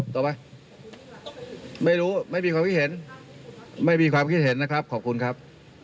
ต่อไปไม่รู้ไม่มีความคิดเห็นนะครับขอบคุณครับ